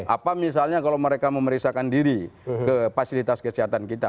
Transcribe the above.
apa misalnya kalau mereka memeriksakan diri ke fasilitas kesehatan kita